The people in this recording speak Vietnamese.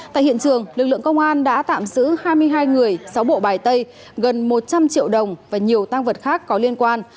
tại hiện trường lực lượng công an đã tạm giữ hai mươi hai người sáu bộ bài tay gần một trăm linh triệu đồng và nhiều tăng vật khác có liên quan